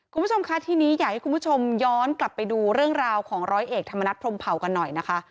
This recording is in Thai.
คุณผู้ชมค่ะทีนี้อยากให้คุณผู้ชมย้อนกลับไปดูเรื่องราวของร้อยเอกธรรมนัฐพรมเผากันหน่อยนะคะ